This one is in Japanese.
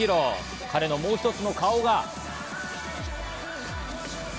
彼のもう一つの顔が。